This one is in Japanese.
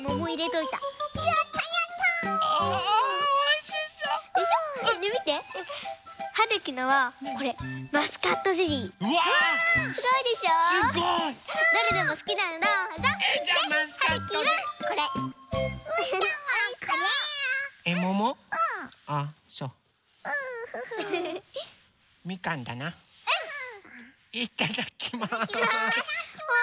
いただきます。